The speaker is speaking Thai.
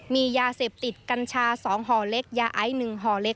มียาเสพติดกัญชา๒ห่อเล็กยาไอ๑ห่อเล็ก